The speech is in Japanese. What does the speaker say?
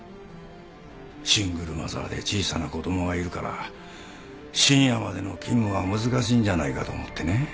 シングルマザーで小さな子供がいるから深夜までの勤務が難しいんじゃないかと思ってね。